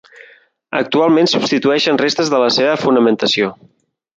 Actualment subsisteixen restes de la seva fonamentació.